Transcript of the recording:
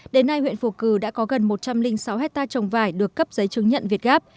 đến nay huyện phù cử đã có gần một trăm linh sáu hectare trồng vải được cấp giấy chứng nhận việt gáp